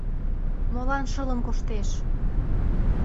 — Молан шылын коштеш?